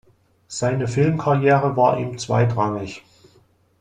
Seine Filmkarriere war ihm zweitrangig.